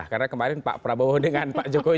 karena kemarin pak prabowo dengan pak jokowi